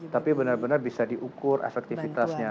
tapi benar benar bisa diukur efektivitasnya